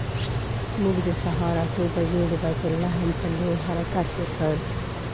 موږ د سهار اتو بجو د بیت لحم پر لور حرکت وکړ.